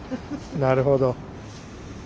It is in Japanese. なるほど。